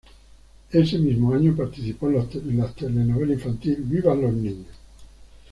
Ese mismo año, participó en la telenovela infantil "¡Vivan los niños!".